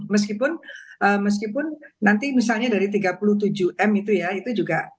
meskipun nanti misalnya dari tiga puluh tujuh m itu ya